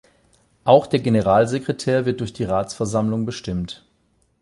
Auch der Generalsekretär wird durch die Ratsversammlung bestimmt.